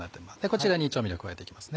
こちらに調味料を加えて行きます